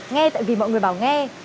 nghe tại vì mọi người bảo nghe